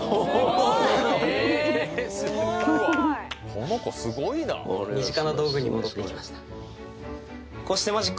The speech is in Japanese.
この子すごいな身近な道具に戻ってきました